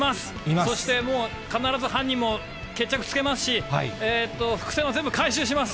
そしてもう必ず犯人も決着つけますし、伏線も全部回収します。